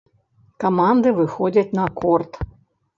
Каманды выходзяць на корт.